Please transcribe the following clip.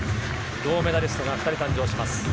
銅メダリストが２人誕生します。